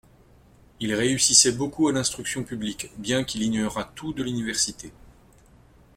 Il réussissait beaucoup à l'Instruction publique, bien qu'il ignorât tout de l'Université.